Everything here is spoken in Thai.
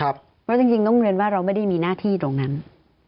เพราะจริงต้องเรียนว่าเราไม่ได้มีหน้าที่ตรงนั้น